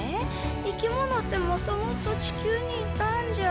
生き物ってもともと地球にいたんじゃ。